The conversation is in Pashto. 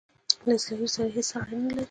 له اسراییلو سره هیڅ اړه نه لري.